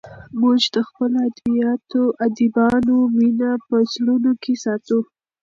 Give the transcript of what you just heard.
موږ د خپلو ادیبانو مینه په زړونو کې ساتو.